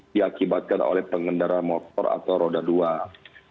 diakibatkan oleh pengendara motor atau roda dua atau lebih